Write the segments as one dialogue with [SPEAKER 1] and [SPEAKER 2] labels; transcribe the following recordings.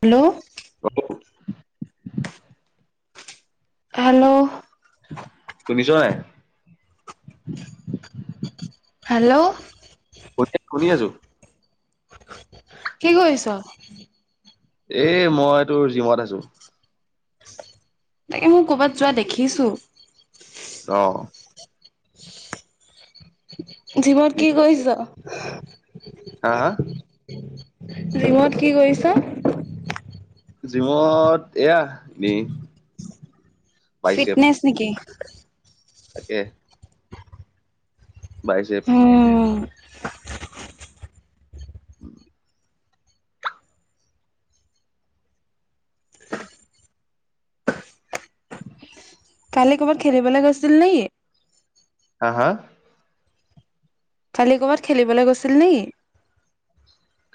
[SPEAKER 1] Hello,
[SPEAKER 2] অ,
[SPEAKER 1] hello,
[SPEAKER 2] তুমিচাই
[SPEAKER 1] hello,
[SPEAKER 2] শুনি - শুনি আছো।
[SPEAKER 1] কি কৰিছ
[SPEAKER 2] এ মই তোৰ জিমত আছো।
[SPEAKER 1] তাকে মই কৰ'বাত যোৱা দেখিছো
[SPEAKER 2] অহ
[SPEAKER 1] জিমত কি
[SPEAKER 2] জিম-
[SPEAKER 1] কৰিছ?
[SPEAKER 2] হা হা,
[SPEAKER 1] জিমত কি কৰিছ?
[SPEAKER 2] জিমত এয়া এনে
[SPEAKER 1] ফিটনেছ নেকি?
[SPEAKER 2] তাকে, ভাই চব
[SPEAKER 1] উম, [unintelligible]
[SPEAKER 2] উম
[SPEAKER 1] কালি কৰ'বাত খেলিবলৈ গৈছিল নেকি??
[SPEAKER 2] হা হা
[SPEAKER 1] কালি ক'বাত খেলিবলৈ গৈছিল নেকি?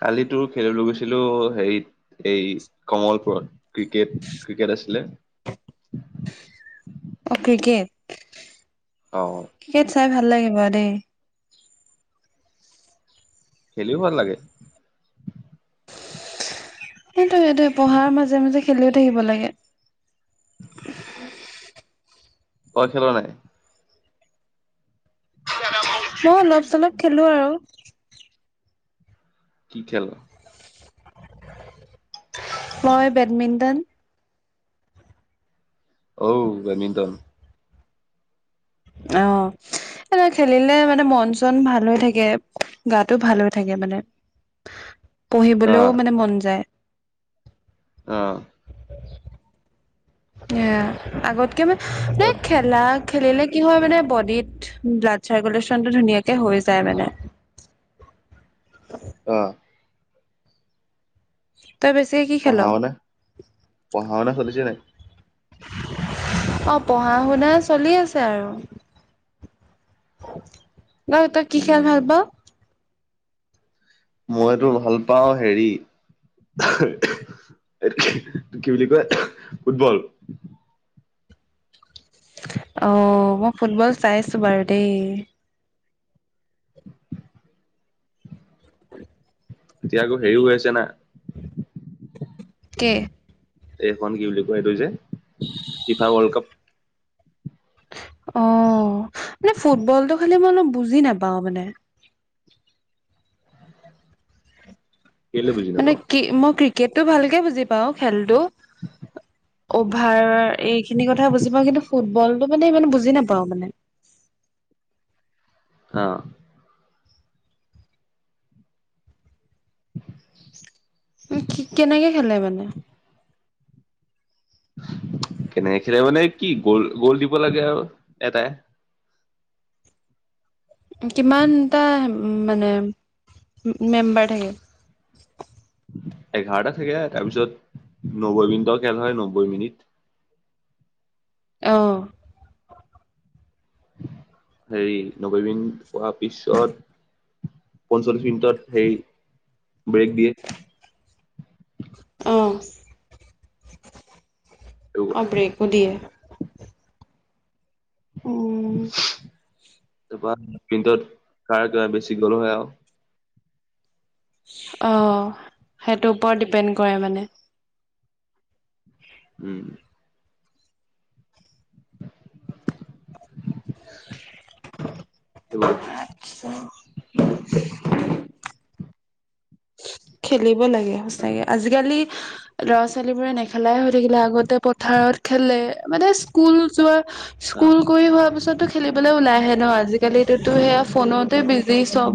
[SPEAKER 2] কালিতো খেলিবলৈ গৈছিলো, হেৰিত এই কমলপুৰত ক্ৰিকেট ক্ৰিকেট আছিলে,
[SPEAKER 1] অ ক্ৰিকেট?
[SPEAKER 2] অ
[SPEAKER 1] ক্ৰিকেট চাই ভাল লাগিব দেই।
[SPEAKER 2] খেলিও ভাল লাগে।
[SPEAKER 1] সেইটোয়ে তো পঢ়াৰ মাজে মাজে খেলি থাকিব লাগে।
[SPEAKER 2] ঘৰত খেলোৱা নাই? [unintelligible]
[SPEAKER 1] খেলোঁ আৰু।
[SPEAKER 2] কি খেল?
[SPEAKER 1] মই বেডমিণ্টন।
[SPEAKER 2] অঔ বেডমিণ্টন।
[SPEAKER 1] অহ। এনে খেলিলে মানে মন-চন ভাল হৈ থাকে গাতটো ভাল হৈ থাকে মানে। পঢ়িবলৈও মানে মন যায়।
[SPEAKER 2] অহ।
[SPEAKER 1] এ আগতকে মানে ন খেলা। খেলিলে কি হয় মানে বডিত ব্লাড চাৰ্কুলেশ্যনটো ধুনীয়াকে হৈ যায় মানে। [inaudible]
[SPEAKER 2] অ'।
[SPEAKER 1] তই বেছিকে কি খেল
[SPEAKER 2] পঢ়া-শুনা, পঢ়া-শুনা চলিছে নাই।
[SPEAKER 1] অ' পঢ়া-শুনা চলি আছে আৰু। তই কি খেল
[SPEAKER 2] উম
[SPEAKER 1] ভাল পোৱা?
[SPEAKER 2] মইতো ভাল পাও হেৰি কি বুলি কয় ফুটবল।
[SPEAKER 1] অহ মই ফুটবল চাইছো বাৰু দেই।
[SPEAKER 2] [unintelligible] এতিয়া আকৌ হেৰি হৈ আছে না।
[SPEAKER 1] একে।
[SPEAKER 2] এইখন কি বুলি কোৱা এইটো যে ফিফা ৱৰ্ল্ড কাপ।
[SPEAKER 1] অ' মানে ফুটবলটো খালি মই অলপ বুজি নাপাওঁ মানে।
[SPEAKER 2] কেলে বুজি
[SPEAKER 1] মানে
[SPEAKER 2] নাপাওঁ
[SPEAKER 1] কি মই ক্ৰিকেটটো ভালকে বুজি পাও খেলতো।
[SPEAKER 2] [unintelligible]
[SPEAKER 1] অভাৰ এইখিনি কথা বুজি পাওঁ কিন্তু ফুটবলটো মানে ইমান বুজি নাপাওঁ মানে। [unintelligible]
[SPEAKER 2] আহ,
[SPEAKER 1] উ কি কেনেকে খেলে মানে?
[SPEAKER 2] কেনেকে খেলে মানে কি গ'ল গ'ল দিব লাগে আৰু এটাই
[SPEAKER 1] কিমানটা মানে মেম্বাৰ থাকে?
[SPEAKER 2] এঘাৰটা থাকে তাৰপিছত নব্বৈ মিনিটৰ খেল হয় নব্বৈ মিনিট।
[SPEAKER 1] আহ।
[SPEAKER 2] হেৰি ন্বৈবিন হোৱাৰ পিছত পঞ্চল্লিশ মিনিট হে ব্ৰেক দিয়ে।
[SPEAKER 1] অ'। অ', ব্ৰেকো দিয়ে। অ'।
[SPEAKER 2] তাৰপাটত কাৰ কিবা বেছি গ'লো হয় আৰু।
[SPEAKER 1] অ', সেইটোৰ ওপৰত ডিপেণ্ড কৰে মানে।
[SPEAKER 2] উম। এইবোৰ কথা।
[SPEAKER 1] আতছা।
[SPEAKER 2] উম।
[SPEAKER 1] খেলিব লাগে সচাঁকে আজিকালি ল'ৰা ছোৱালী বোৰে নেখেলাই হৈ থাকিলে, আগতে পথাৰ খেলে মানে স্কুল যোৱা
[SPEAKER 2] অ
[SPEAKER 1] স্কুল কৰি হোৱা পিছতো খেলিবলৈ ওলাই আহে ন' আজিকালিতো সেয়া ফোনতে বিজি। চব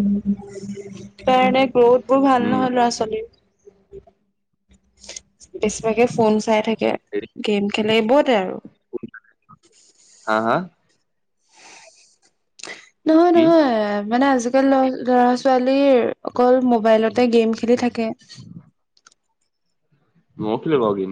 [SPEAKER 1] কাৰণে গ্ৰোথ বোৰ ভাল
[SPEAKER 2] উম
[SPEAKER 1] নহয়। ল'ৰা ছোৱালীৰ। বেছিভাগে ফোন চাই থাকে
[SPEAKER 2] হেৰি
[SPEAKER 1] গেম খেলে এইবোৰতে আৰু
[SPEAKER 2] হা হা
[SPEAKER 1] নহয়
[SPEAKER 2] কি
[SPEAKER 1] নহয় মানে আজি। আজিকালি ল'ৰা ছোৱালী অকল মোবাইলতে গেম খেলি থাকে।
[SPEAKER 2] ময়ো খেলো গেম।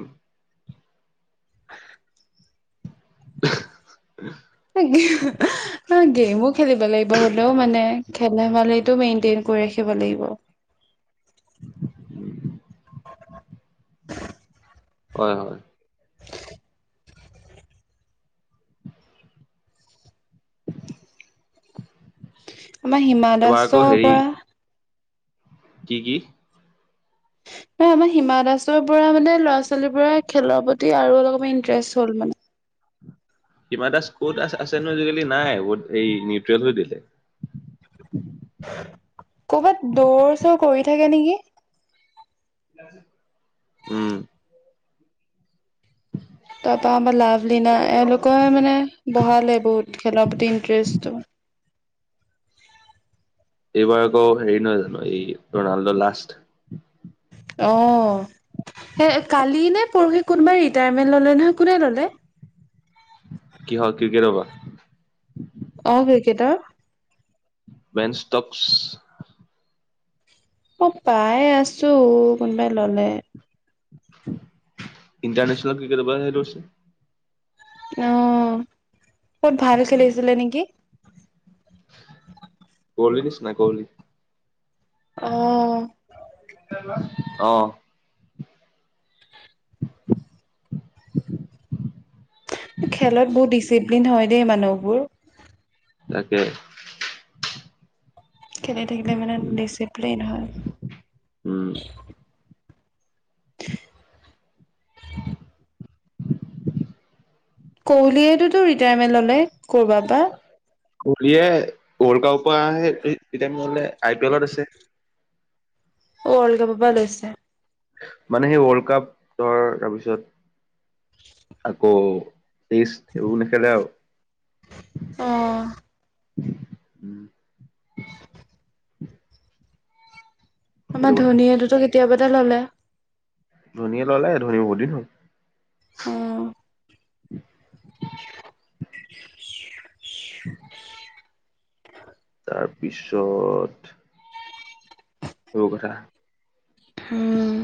[SPEAKER 1] গেমো খেলিব লাগিব হ'লেও মানে। খেল ধমালিটো মেইনটেইন কৰি ৰাখিব লাগিব।
[SPEAKER 2] উম। হয় হয়।
[SPEAKER 1] আমাৰ হিমা
[SPEAKER 2] এবাৰ আকৌ
[SPEAKER 1] দাসৰ
[SPEAKER 2] হেৰি
[SPEAKER 1] পৰা।
[SPEAKER 2] কি কি?
[SPEAKER 1] উ। আমাৰ হিমা দাসৰ পৰা মানে ল'ৰা ছোৱালী পৰা খেলৰ প্ৰতি আৰু অলপমান ইন্টাৰেষ্ট হ'ল মানে।
[SPEAKER 2] হিমা দাস ক'ত আছে নো আজিকালি, নাই বত এই নিউট্ৰেল হৈ দিলে।
[SPEAKER 1] কৰ'বাত দৌৰ চৰ কৰি থাকে নেকি।
[SPEAKER 2] উম।
[SPEAKER 1] তাৰ পৰাৰা আমাৰ লাভলীনা এওঁলোকে মানে বঢ়ালে বহুত খেলৰ প্ৰতি ইণ্টাৰেষ্টটো।
[SPEAKER 2] এইবাৰ আকৌ হেৰি নহয় জানো এই ৰনাল্ডো লাষ্ট
[SPEAKER 1] আহ। এ কালি নে পৰহি কোনোবাই ৰিটায়াৰমেন্ট ল'লে নহয়, কোনে ল'লে?
[SPEAKER 2] কি হক ক্ৰিকেটৰ পৰা?
[SPEAKER 1] অ', ক্ৰিকেটৰ।
[SPEAKER 2] বেনসটকছ।
[SPEAKER 1] অ', পাইে আছো, কোনবাই ল'লে?।
[SPEAKER 2] ইণ্টাৰনেচনল ক্ৰিকেটৰ পৰাহে লৈছে।
[SPEAKER 1] অ', ক'ত ভাল খেলিছিলে নেকি?
[SPEAKER 2] ক'হলি নিচনা ক'হলি।
[SPEAKER 1] অ
[SPEAKER 2] আহ। [unintelligible]
[SPEAKER 1] খেলত বহুত ডিচিপ্লিন হয় দেই মানুহবোৰ
[SPEAKER 2] তাকে
[SPEAKER 1] খেলি থাকিলে মানে ডিচিপ্লিন হয়
[SPEAKER 2] উম
[SPEAKER 1] কহলিয়টোতো ৰিটায়াৰমেণ্ট ললে কৰ'বাৰ পৰা।
[SPEAKER 2] কলিয়ে ৱৰ্ল্ড কাপৰ পৰা আহে তেতিয়া মলে আই পি এলত আছে।
[SPEAKER 1] ৱৰ্ল্ড কাপৰ পৰা লৈছে।
[SPEAKER 2] মানে সেই ৱৰ্ল্ড কাপ ধৰ তাৰপিছত। আকৌ টেষ্ট এইবোৰ নেখেলে আৰু
[SPEAKER 1] অহ,
[SPEAKER 2] উম,
[SPEAKER 1] [unintelligible] আমাৰ
[SPEAKER 2] সেইটো কথা
[SPEAKER 1] ধনীয়েটোতো কেতিয়াবাতে ললে।
[SPEAKER 2] ধনীয়ে ল'লাই ধোনী ম বল ন।
[SPEAKER 1] অ
[SPEAKER 2] [unintelligible] [unintelligible] তাৰপিছত। সব কথা
[SPEAKER 1] উম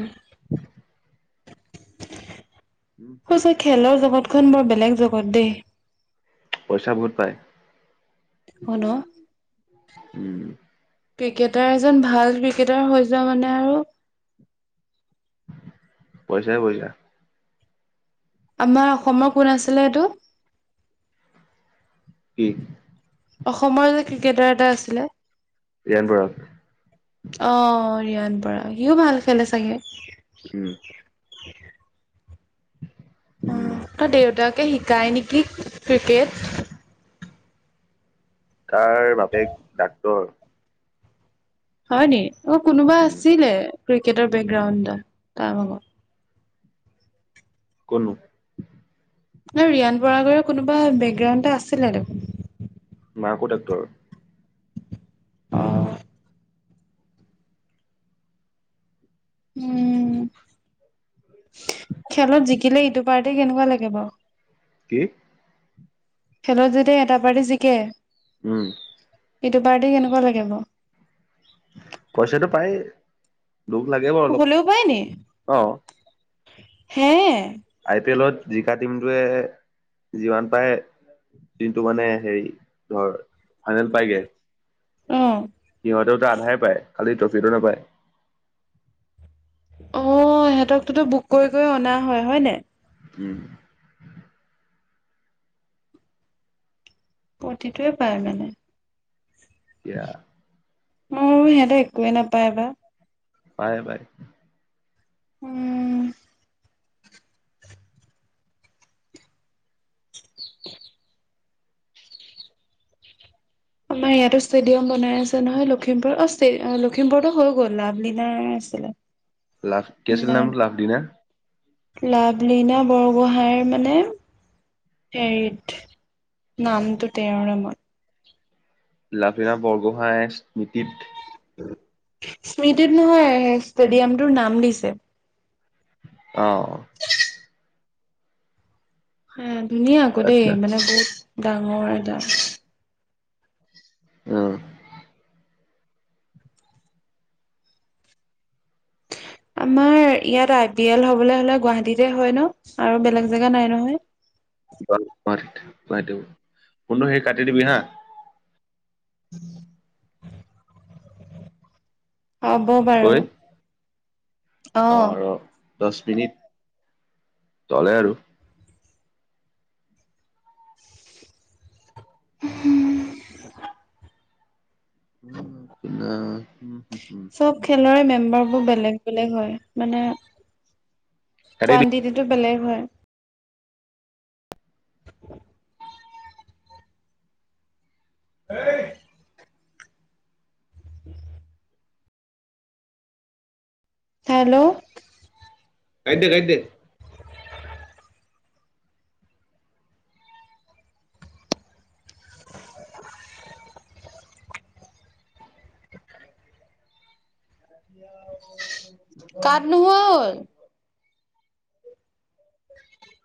[SPEAKER 1] সঁচা হৈছে খেলৰ জগতখন বৰ বেলেগ জগত দেই।
[SPEAKER 2] পইচা বহুত পায়
[SPEAKER 1] হয় ন
[SPEAKER 2] উম,
[SPEAKER 1] ক্ৰিকেটাৰ এজন ভাল ক্ৰিকেটাৰ হৈ যোৱা মানে আৰু।
[SPEAKER 2] পইচাই- পইচা
[SPEAKER 1] আমাৰ অসমৰ কোন আছিলে এইটো
[SPEAKER 2] কি
[SPEAKER 1] অসমৰ যে ক্ৰিকেটাৰ এটা আছিলে
[SPEAKER 2] জঞান পৰা
[SPEAKER 1] হৰিয়ান পৰা সিও ভাল খেলে চাগে
[SPEAKER 2] উম
[SPEAKER 1] উ উ
[SPEAKER 2] উম
[SPEAKER 1] তই দেউতাকে শিকাই নেকি ক্ৰিকেট
[SPEAKER 2] কাৰ বাপেক ডাক্তৰ
[SPEAKER 1] হয় নি অ কোনোবা
[SPEAKER 2] উম
[SPEAKER 1] আছিলে ক্ৰিকেটৰ বেকগ্ৰাউণ্ডটা তাৰ আত
[SPEAKER 2] কন
[SPEAKER 1] ন ৰিয়ান বগ কোনোবা বেকগ্ৰাউণ্ড এটা আছিলে দেখোন
[SPEAKER 2] মাকো ডাক্তৰ
[SPEAKER 1] অহ, উম খেলত জিকিলে ইটো পাৰ্ট কেনেকুৱা লাগে বাৰ
[SPEAKER 2] কি
[SPEAKER 1] খেলত যেতিয়া এটা পাৰি জিকে
[SPEAKER 2] উম,
[SPEAKER 1] এইটো বাৰ্থডে কেনেকুৱা লাগিব।
[SPEAKER 2] পইচাটো পায় দুখ লাগে বাৰু অলপ
[SPEAKER 1] হ'লেও পায় নি
[SPEAKER 2] অ',
[SPEAKER 1] হে
[SPEAKER 2] আই পি এলত জিকা টিমটোৱে যিমান পাই দিনটো মানে হেৰি ধৰ ফাইনেল পাইগে।
[SPEAKER 1] উম,
[SPEAKER 2] সিহঁতেও ত আধাই পায় খালি ট্ৰফিটো নাপায়।
[SPEAKER 1] অ' সিহঁতকতো বুক কৰিব অনা হয়-হয় না।
[SPEAKER 2] উম,
[SPEAKER 1] প্ৰতিটোৱে পায় মানে
[SPEAKER 2] ক [unintelligible]
[SPEAKER 1] অ সিহঁতে একোৱে নাপায় বা
[SPEAKER 2] ব বাই [unintelligible]
[SPEAKER 1] উম। [unintelligible] আমাৰ ইয়াতো ষ্টেডিয়াম বনাই আছে নহয় লখিমপুৰ অ লখিমপুৰতো হৈ গ'ল লাভলীনা ছিলে
[SPEAKER 2] লাফ কেছিল নাম লাফ লিনা
[SPEAKER 1] লাভলীনা বৰগোহাঁইৰ হাইৰ মানে হেৰি ট নামটো তেৰৰে মন
[SPEAKER 2] লাভলীনা বৰগোহাঁইৰ স্মৃতিত
[SPEAKER 1] স্মৃতিত নহয় ষ্টেডিয়ামটোৰ নাম দিছে,
[SPEAKER 2] অঁ
[SPEAKER 1] ধুনীয়া আকৌ দেই
[SPEAKER 2] আচ্ছা
[SPEAKER 1] মানে বহুত ডাঙৰ এটা
[SPEAKER 2] অ
[SPEAKER 1] আমাৰ ইয়াত আই পি এল হবলৈ হলে গুৱাহাটীতে হয় ন আৰু বেলেগ জেগা নাই নহয়?
[SPEAKER 2] ফোনটো সেই কাটি দিবি হা!
[SPEAKER 1] [unintelligible] হব
[SPEAKER 2] ঐ
[SPEAKER 1] বাৰু অঁ।
[SPEAKER 2] চলে আৰু
[SPEAKER 1] হম
[SPEAKER 2] [unintelligible]
[SPEAKER 1] চব খেলৰে মেম্বাৰবোৰ বেলেগ বেলেগ হয়। মানে,
[SPEAKER 2] কাটি দে
[SPEAKER 1] কোৱানটিটিটো বেলেগ হয়। [inaudible]
[SPEAKER 2] [unintelligible]
[SPEAKER 1] [inaudible] হেল্ল'!
[SPEAKER 2] কাটি দে, কাটি দে।
[SPEAKER 1] কাট নোখোৱা হল। [inaudible]